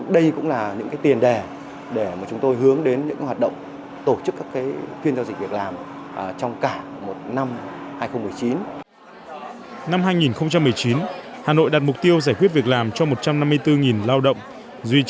đây cũng là những cái tiền đề để mà chúng tôi hướng đến những hoạt động